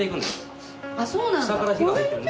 下から火が入ってるので。